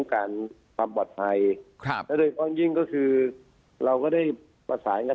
การความบอตภัยโดยกรอบนี้ก็คือเราก็ได้ฝาสาญกับ